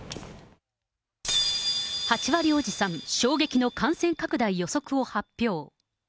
８割おじさん、衝撃の感染拡大予測を発表。